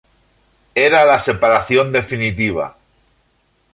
Era la separación definitiva.